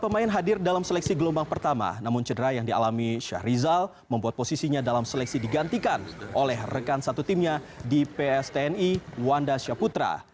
dua puluh pemain hadir dalam seleksi gelombang pertama namun cedera yang dialami syahrizal membuat posisinya dalam seleksi digantikan oleh rekan satu timnya di pstni wanda syaputra